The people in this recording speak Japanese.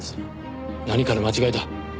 何かの間違いだ。